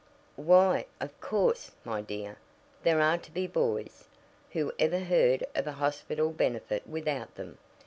"Why, of course, my dear, there are to be boys. Who ever heard of a hospital benefit without them.